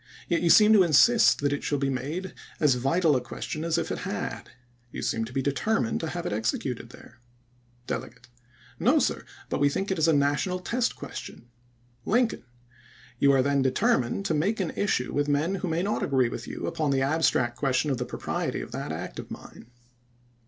Yet you seem to insist that it shall be made as vital a question as if it had. You seem to be determined to have it executed there." Delegate :" No, sir ; but we think it is a national test question." Lincoln :" You are then determined to make an issue with men who may not agree with you upon the abstract question of the propriety of that act of mine.